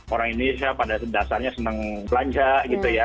orang indonesia pada dasarnya senang belanja gitu ya